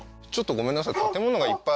ちょっとごめんなさい